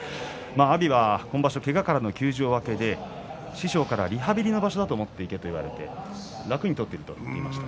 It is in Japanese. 阿炎は今場所、けがからの休場明けで師匠からリハビリの場所だと思っていけと言われて楽に取っていると言いました。